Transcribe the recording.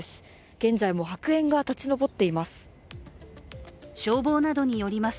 現在も白煙が立ち上っています。